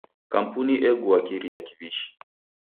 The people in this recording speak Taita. Kampuni egua kiria kiw'ishi.